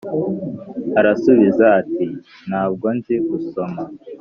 arasubiza ati «Nta bwo nzi gusoma.»